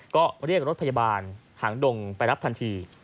ก็เรียกรถพยาบาลหางดงไปรับทันที